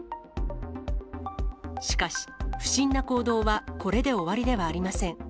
しかし、不審な行動はこれで終わりではありません。